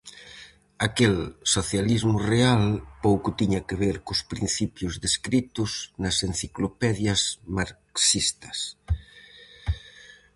Aquel "socialismo real" pouco tiña que ver cos principios descritos nas enciclopedias marxistas.